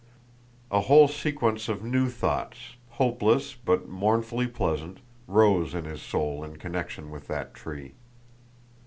A whole sequence of new thoughts, hopeless but mournfully pleasant, rose in his soul in connection with that tree.